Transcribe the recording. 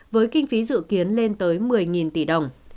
với kinh phí dự kiến lên tới một mươi tỷ đồng